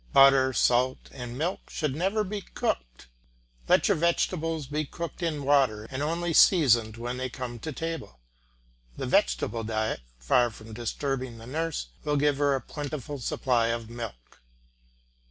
Butter, salt, and milk should never be cooked. Let your vegetables be cooked in water and only seasoned when they come to table. The vegetable diet, far from disturbing the nurse, will give her a plentiful supply of milk.